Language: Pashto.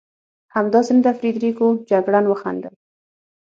همداسې نه ده فرېدرېکو؟ جګړن وخندل.